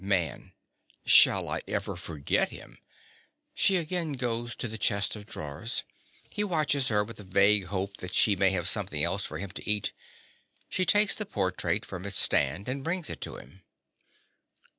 MAN. Shall I ever forget him. (_She again goes to the chest of drawers. He watches her with a vague hope that she may have something else for him to eat. She takes the portrait from its stand and brings it to him.